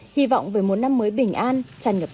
hy vọng với một năm mới bình an chẳng ngập tối